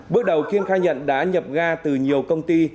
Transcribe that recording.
bước đầu kiên khai nhận đã nhập ga từ nhiều công ty